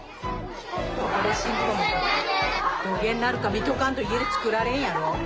どげんなるか見とかんと家で作られんやろ。